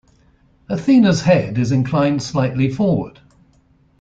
Athena's head is inclined slightly forward.